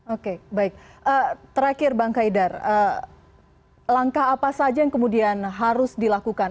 oke baik terakhir bang haidar langkah apa saja yang kemudian harus dilakukan